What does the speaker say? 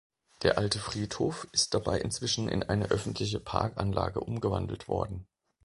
Der alte Friedhof ist dabei inzwischen in eine öffentliche Parkanlage umgewandelt worden.